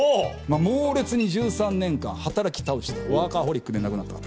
猛烈に１３年間働き倒してワーカーホリックで亡くなった。